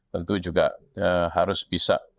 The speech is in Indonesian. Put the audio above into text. tentu juga harus bisa